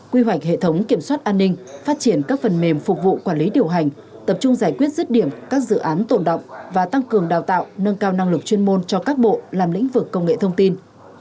quy hoạch hệ thống kiểm soát an ninh phát triển các phần mềm phục vụ quản lý điều hành tập trung giải quyết rứt điểm các dự án tổn động và tăng cường đào tạo nâng cao năng lực chuyên môn cho các bộ làm lĩnh vực công nghệ thông tin